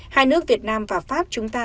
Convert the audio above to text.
hai nước việt nam và pháp chúng ta